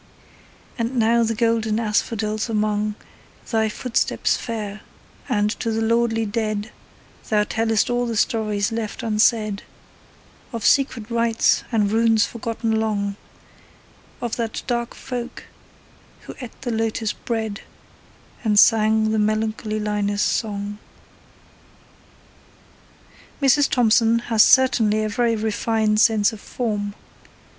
And now the golden asphodels among Thy footsteps fare, and to the lordly dead Thou tellest all the stories left unsaid Of secret rites and runes forgotten long, Of that dark folk who ate the Lotus bread And sang the melancholy Linus song. Mrs. Tomson has certainly a very refined sense of form.